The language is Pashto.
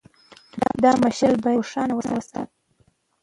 دا مشعل باید روښانه وساتو.